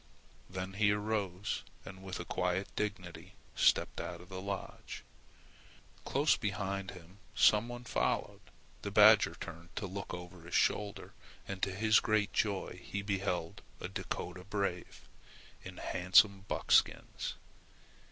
Then he arose, and with a quiet dignity stepped out of the lodge. Close behind him some one followed. The badger turned to look over his shoulder and to his great joy he beheld a Dakota brave in handsome buckskins.